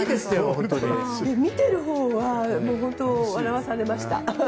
見てるほうは本当励まされました。